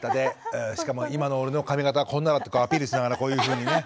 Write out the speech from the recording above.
しかも今の俺の髪形はこんなだとかアピールしながらこういうふうにね。